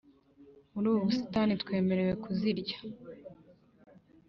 muri ubu busitani twemerewe kuzirya